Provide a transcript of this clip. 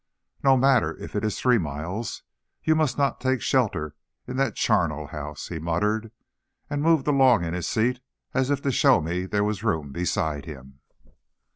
"No matter if it is three miles! You must not take shelter in that charnel house," he muttered; and moved along in his seat as if to show me there was room beside him.